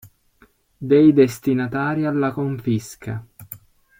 Dei destinatari alla confisca.